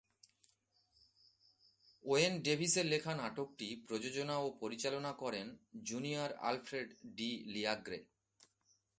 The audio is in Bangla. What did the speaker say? ওয়েন ডেভিসের লেখা নাটকটি প্রযোজনা ও পরিচালনা করেন জুনিয়র আলফ্রেড ডি লিয়াগ্রে।